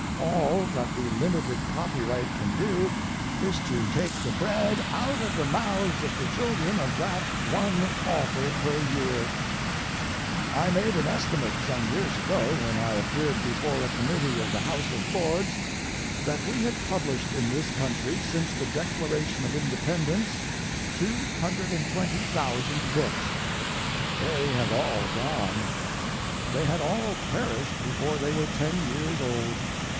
All that the limited copyright can do is to take the bread out of the mouths of the children of that one author per year. I made an estimate some years ago, when I appeared before a committee of the House of Lords, that we had published in this country since the Declaration of Independence 220,000 books. They have all gone. They had all perished before they were ten years old.